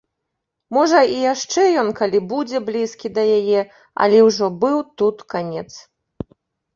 Можа, і яшчэ ён калі будзе блізкі да яе, але ўжо быў тут канец.